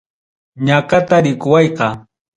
Ñaqata rikuwayqa.